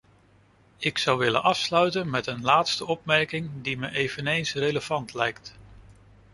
Ik zou willen afsluiten met een laatste opmerking die me eveneens relevant lijkt.